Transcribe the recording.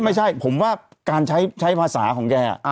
ไม่ใช่ผมว่าการใช้ภาษาของแก